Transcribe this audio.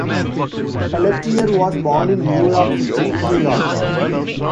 Pelletier was born in New York City, New York.